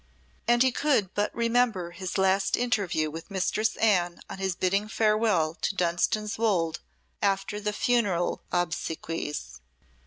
And he could but remember his last interview with Mistress Anne on his bidding farewell to Dunstan's Wolde after the funeral obsequies.